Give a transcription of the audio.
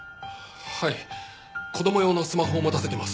はい子供用のスマホを持たせてます。